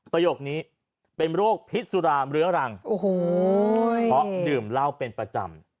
ประโยคนี้เป็นโรคพิษสุรามเรื้อรังโอ้โหเพราะดื่มเหล้าเป็นประจำ